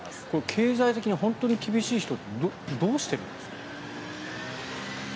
経済的に本当に厳しい人ってどうしているんですか？